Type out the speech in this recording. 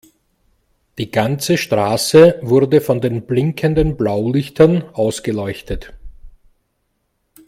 Die ganze Straße wurde von den blinkenden Blaulichtern ausgeleuchtet.